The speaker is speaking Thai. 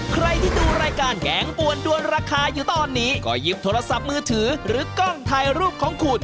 ใครที่ดูรายการแกงปวนด้วนราคาอยู่ตอนนี้ก็หยิบโทรศัพท์มือถือหรือกล้องถ่ายรูปของคุณ